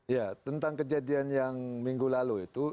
ya tentang kejadian yang minggu lalu itu